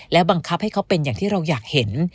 และบังคับให้เขาเป็นอย่างที่เราอยากเห็น